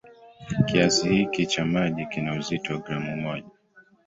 Kiasi hiki cha maji kina uzito wa gramu moja.